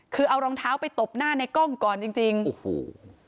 คือเอารองเท้าไปตบหน้าในกล้องก่อนจริงจริงโอ้โห